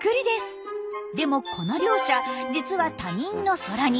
でもこの両者実は他人の空似。